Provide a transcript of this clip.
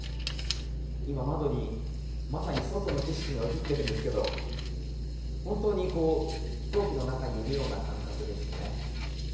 今、窓にまさに外の景色が映っているんですけど本当に飛行機の中にいるような感覚ですね。